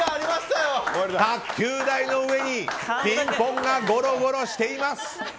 卓球台の上にピンポンがごろごろしています！